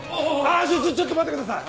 あぁちょっと待ってください！